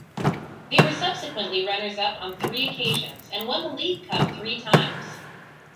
They were subsequently runners-up on three occasions and won the League Cup three times.